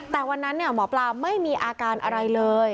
แต่วันนั้นหมอปลาไม่มีอาการอะไรเลย